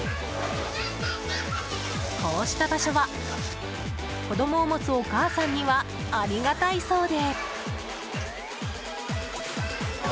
こうした場所は子供を持つお母さんにはありがたいそうで。